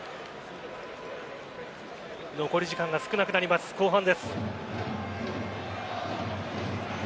残り時間が少なくなります後半です。